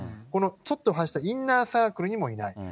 このちょっと話したインナーサークルにもいない。